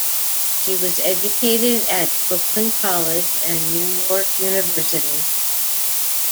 She was educated at Brooklyn College and New York University.